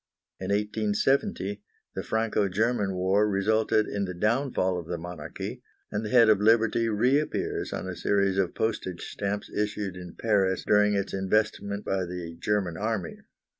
In 1870 the Franco German War resulted in the downfall of the monarchy, and the head of Liberty reappears on a series of postage stamps issued in Paris during its investment by the German army.